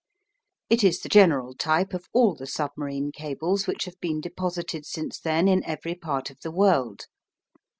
It is the general type of all the submarine cables which have been deposited since then in every part of the world.